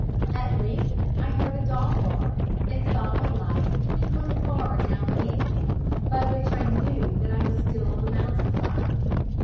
At length I heard a dog bark, and saw a light twinkling far down beneath me, by which I knew that I was still on the mountain side.